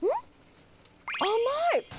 甘い！